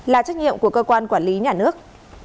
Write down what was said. là trách nhiệm của cơ quan quản lý nhà nước